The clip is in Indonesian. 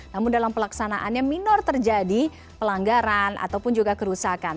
namun dalam pelaksanaannya minor terjadi pelanggaran ataupun juga kerusakan